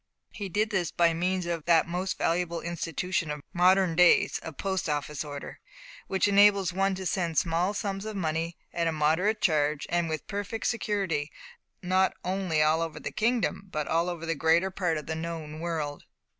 He did this by means of that most valuable institution of modern days a Post Office order, which enables one to send small sums of money, at a moderate charge, and with perfect security, not only all over the kingdom, but over the greater part of the known world.